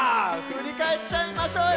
ふりかえっちゃいましょうよ！